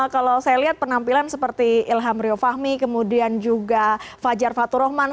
kalau saya lihat penampilan seperti ilham rio fahmi kemudian juga fajar fatur rahman